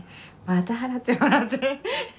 また払ってもらって。